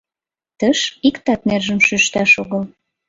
Тыш иктат нержым шӱшташ огыл.